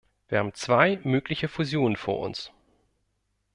Wir haben zwei mögliche Fusionen vor uns.